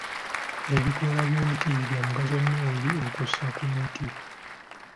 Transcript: Ebikoola by'omuti bya mugaso nnyo eri okussa kw'emiti.